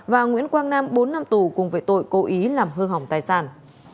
và nguyễn quang nam bốn năm tù cùng với tội cố ý làm hư hỏng tài sản